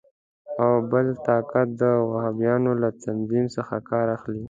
او که بل طاقت د وهابیانو له تنظیم څخه کار اخلي.